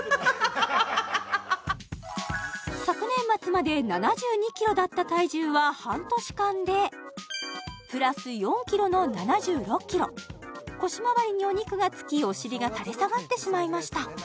昨年末まで７２キロだった体重は半年間でプラス４キロの７６キロ腰まわりにお肉がつきお尻が垂れ下がってしまいました